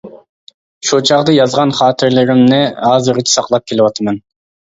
شۇ چاغدا يازغان خاتىرىلىرىمنى ھازىرغىچە ساقلاپ كېلىۋاتىمەن.